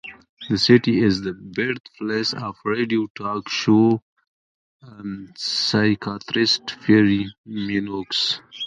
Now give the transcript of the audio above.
The city is the birthplace of radio talk show psychiatrist Pierre Mailloux.